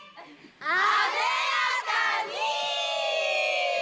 艶やかに！